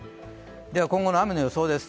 では今後の雨の予想です。